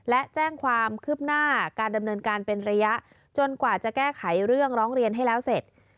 และแจ้งความคืบหน้าการดำเนินการเป็นระยะจนกว่าจะแก้ไขเรื่องร้องเรียนให้แล้วเสร็จ